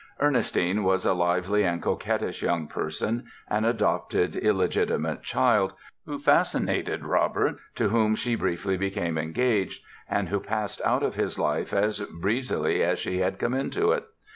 Ernestine was a lively and coquettish young person, an adopted illegitimate child, who fascinated Robert, to whom she briefly became engaged, and who passed out of his life as breezily as she had come into it.